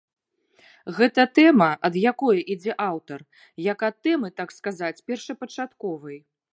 Гэта тэма, ад якое ідзе аўтар, як ад тэмы, так сказаць, першапачатковай.